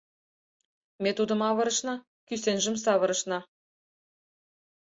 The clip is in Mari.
Ме тудым авырышна, кӱсенжым савырышна.